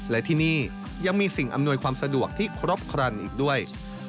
และที่นี่ยังมีสิ่งอำนวยความสะดวกที่ครบครันอีกด้วย